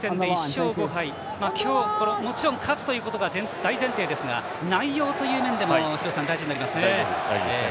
今日ももちろん勝つということが大前提ですが、内容という面でも大事になりますね。